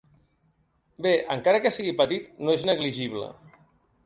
Bé, encara que sigui petit no és negligible.